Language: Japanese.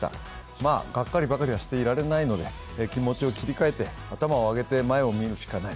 まあ、がっかりばかりはしていられないので、気持ちを切り替えて、頭を上げて前を見るしかない。